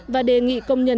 và đề nghị công nhân